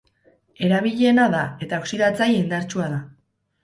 Erabiliena da, eta oxidatzaile indartsua da.